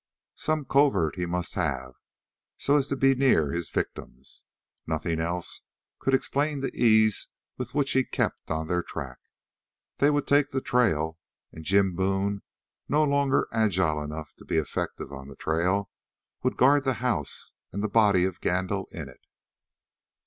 Some covert he must have, so as to be near his victims. Nothing else could explain the ease with which he kept on their track. They would take the trail, and Jim Boone, no longer agile enough to be effective on the trail, would guard the house and the body of Gandil in it.